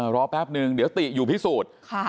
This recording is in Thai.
แป๊บนึงเดี๋ยวติอยู่พิสูจน์